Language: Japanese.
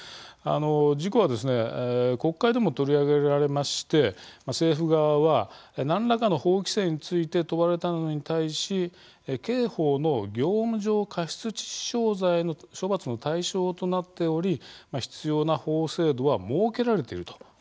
事故は国会でも取り上げられまして政府側は何らかの法規制について問われたのに対し刑法の業務上過失致死傷罪の処罰の対象となっており必要な法制度は設けられているという見解を示しているんですね。